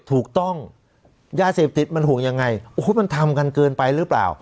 ถูกต้องยาเสพติดมันห่วงยังไงโอ้โหมันทำกันเกินไปหรือเปล่า